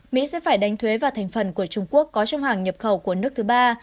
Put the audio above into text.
mỹ sẽ phải đánh thuế vào thành phần của trung quốc có trong hàng nhập khẩu của nước thứ ba